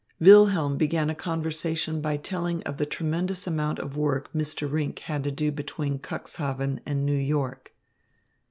Wilhelm began a conversation by telling of the tremendous amount of work Mr. Rinck had to do between Cuxhaven and New York.